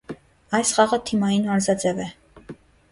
Այս խաղը թիմային մարզաձև է։